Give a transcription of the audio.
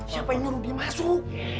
siapa yang nurut dia masuk